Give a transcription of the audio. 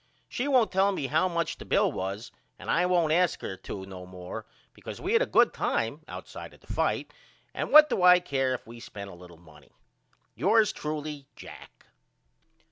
She won't tell me how much the bill was and I won't ask her to no more because we had a good time outside of the fight and what do I care if we spent a little money? Yours truly, JACK.